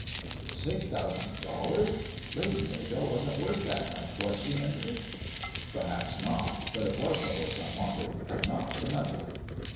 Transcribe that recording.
"Six thousand dollars! Lady Maybell wasn't worth that much; was she, Henry?" "Perhaps not; but it was the horse I wanted, and not the money."